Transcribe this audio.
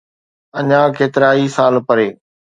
اڃا ڪيترائي سال پري